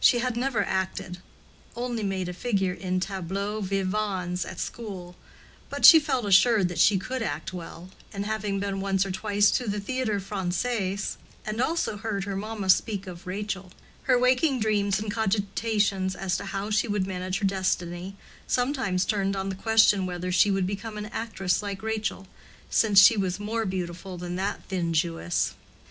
She had never acted—only made a figure in tableaux vivans at school; but she felt assured that she could act well, and having been once or twice to the Théâtre Français, and also heard her mamma speak of Rachel, her waking dreams and cogitations as to how she would manage her destiny sometimes turned on the question whether she would become an actress like Rachel, since she was more beautiful than that thin Jewess.